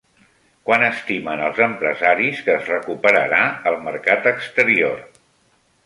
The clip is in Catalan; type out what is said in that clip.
Quan estimen els empresaris que es recuperarà el mercat exterior?